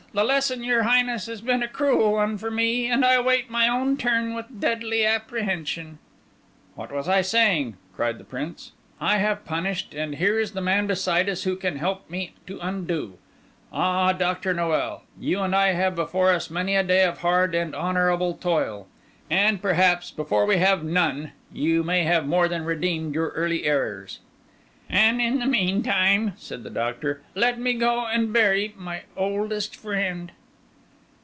The lesson, your Highness, has been a cruel one for me; and I await my own turn with deadly apprehension." "What was I saying?" cried the Prince. "I have punished, and here is the man beside us who can help me to undo. Ah, Dr. Noel! you and I have before us many a day of hard and honourable toil; and perhaps, before we have none, you may have more than redeemed your early errors." "And in the meantime," said the Doctor, "let me go and bury my oldest friend."